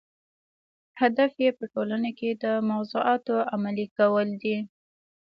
هدف یې په ټولنه کې د موضوعاتو عملي کول دي.